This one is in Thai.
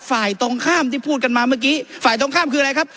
ฝ่ายตรงข้ามที่พูดกันมาเมื่อกี้ฝ่ายตรงข้ามคืออะไรครับ